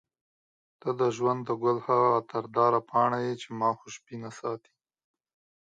ته د ژوند د ګل هغه عطرداره پاڼه یې چې ما خوشبوینه ساتي.